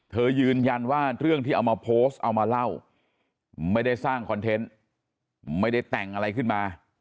ยืนยันว่าเรื่องที่เอามาโพสต์เอามาเล่าไม่ได้สร้างคอนเทนต์ไม่ได้แต่งอะไรขึ้นมา